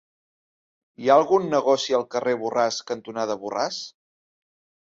Hi ha algun negoci al carrer Borràs cantonada Borràs?